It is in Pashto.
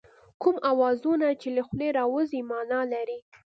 کوم اوازونه چې له خولې راوځي مانا لري